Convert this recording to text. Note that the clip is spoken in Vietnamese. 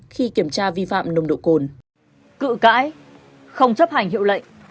khi kiểm tra vi phạm nồng độ cồn cự cãi không chấp hành hiệu lệnh